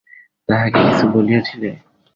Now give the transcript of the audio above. তাহাকে কিছু বলিয়াছিলে?